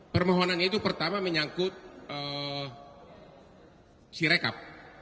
permohonannya itu pertama menyangkut si rekap